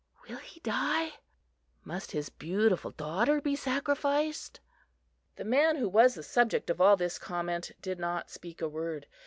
"Will he die?" "Must his beautiful daughter be sacrificed?" The man who was the subject of all this comment did not speak a word.